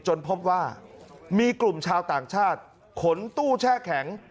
พบว่ามีกลุ่มชาวต่างชาติขนตู้แช่แข็ง